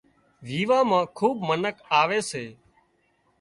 ويوان مان کُوٻ منک آوي سي